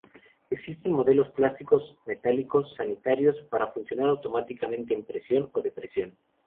Existen modelos plásticos, metálicos, sanitarios, para funcionar automáticamente, en presión o depresión.